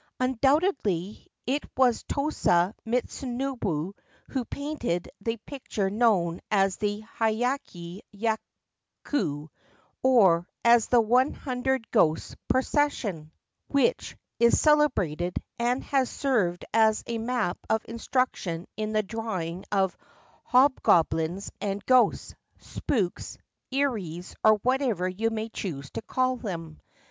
Undoubtedly it was Tosa Mitsunobu who painted the picture known as the Hiyakki Yako, or as The One Hundred Ghosts' Procession, which is celebrated, and has served as a map of instruction in the drawing of hobgoblins and ghosts, ' spooks,' ' eries,' or whatever you may choose to call them.